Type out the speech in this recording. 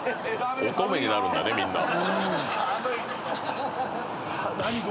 「乙女になるんだねみんな」寒い！